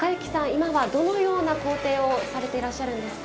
今はどのような工程をされていらっしゃるんですか？